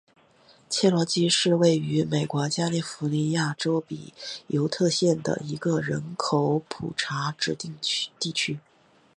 切罗基是位于美国加利福尼亚州比尤特县的一个人口普查指定地区。